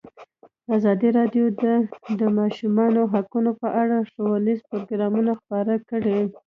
ازادي راډیو د د ماشومانو حقونه په اړه ښوونیز پروګرامونه خپاره کړي.